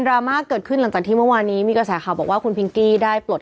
ราม่าเกิดขึ้นหลังจากที่เมื่อวานนี้มีกระแสข่าวบอกว่าคุณพิงกี้ได้ปลด